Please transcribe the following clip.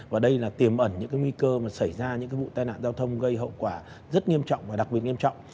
và đây là tiềm ẩn những cái nguy cơ mà xảy ra những vụ tai nạn giao thông gây hậu quả rất nghiêm trọng và đặc biệt nghiêm trọng